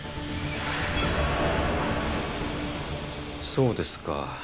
そうですか。